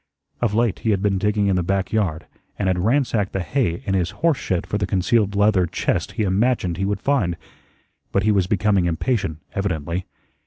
Of late he had been digging in the back yard and had ransacked the hay in his horse shed for the concealed leather chest he imagined he would find. But he was becoming impatient, evidently.